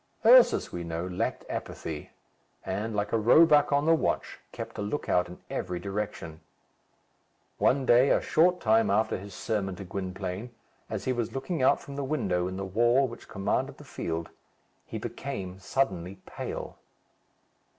Ursus, we know, lacked apathy, and, like a roebuck on the watch, kept a lookout in every direction. One day, a short time after his sermon to Gwynplaine, as he was looking out from the window in the wall which commanded the field, he became suddenly pale.